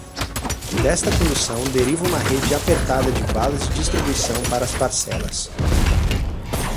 Desta condução deriva uma rede apertada de valas de distribuição para as parcelas.